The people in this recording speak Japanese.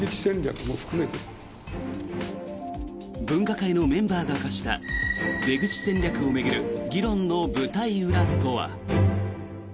分科会のメンバーが明かした出口戦略を巡る議論の舞台裏とは。